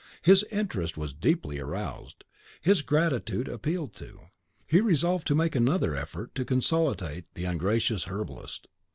His interest was deeply roused, his gratitude appealed to; he resolved to make another effort to conciliate the ungracious herbalist.